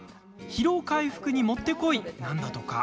疲労回復にもってこいなんだとか。